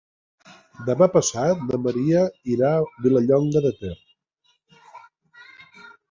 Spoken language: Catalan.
Demà passat na Maria irà a Vilallonga de Ter.